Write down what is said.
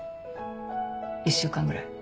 １週間ぐらい。